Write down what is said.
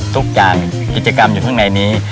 ทุกอย่างกิจกรรมอยู่ข้างในนี้